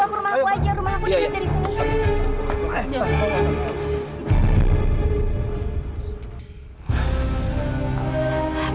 bawa ke rumahku aja rumahku dihentikan dari sini